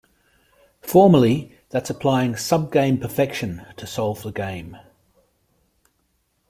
Formally, that's applying subgame perfection to solve the game.